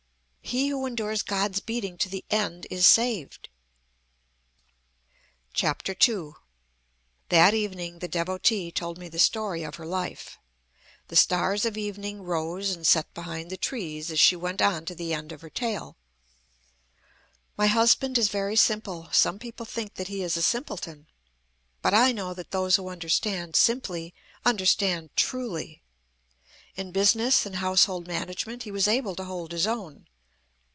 He who endures God's beating to the end is saved." II. That evening the Devotee told me the story of her life. The stars of evening rose and set behind the trees, as she went on to the end of her tale. "My husband is very simple. Some people think that he is a simpleton; but I know that those who understand simply, understand truly. In business and household management he was able to hold his own.